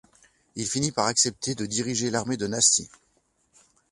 Il finit par accepter de diriger l'armée de Nasty.